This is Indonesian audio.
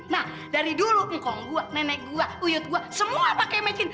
nah dari dulu ngkong gua nenek gua uyut gua semua pakai mecin